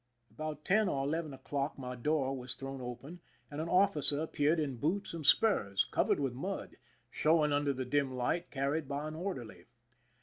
About ten or eleven o'clock my door was thrown open, and an officer appeared in boots and spurs, covered with mud, showing under the dim light carried by an orderly.